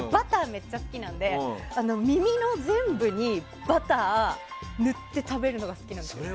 めっちゃ好きなんで耳の全部にバター塗って食べるのが好きなんです。